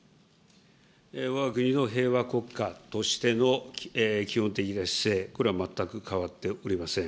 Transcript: わが国の平和国家としての基本的な姿勢、これは全く変わっておりません。